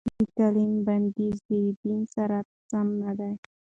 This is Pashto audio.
د تعليم بندیز د دین سره سم نه دی.